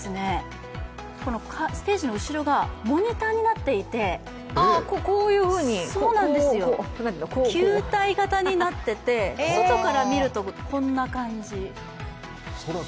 ステージの後ろがモニターになっていて球体型になっていて、外から見ると、こんな感じ。